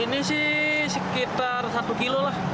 ini sih sekitar satu kilo lah